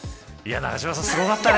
永島さんすごかったね。